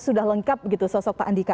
sudah lengkap begitu sosok pak andika